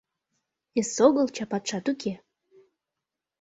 Эсогыл чапатшат уке.